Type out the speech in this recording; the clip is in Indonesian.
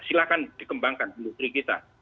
silahkan dikembangkan industri kita